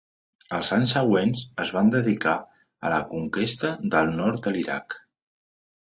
Els anys següents es van dedicar a la conquesta del nord de l'Iraq.